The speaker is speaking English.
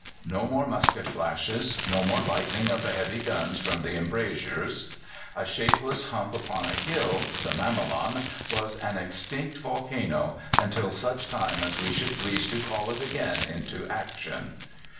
No more musket flashes, no more lightning of the heavy guns from the embrasures. A shapeless hump upon a hill, the Mamelon was an extinct volcano, until such time as we should please to call it again into action.